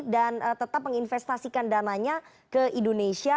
dan tetap menginvestasikan dananya ke indonesia